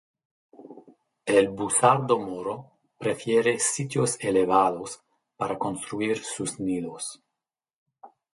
El busardo moro prefiere sitios elevados para construir sus nidos.